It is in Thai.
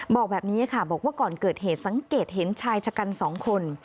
บอกแบบนี้ค่ะบอกว่าก่อนเกิดเหตุสังเกตเห็นชายชะกัน๒คน